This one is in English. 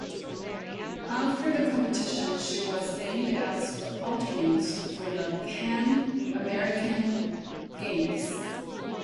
After the competition she was named as the alternate for the Pan American Games.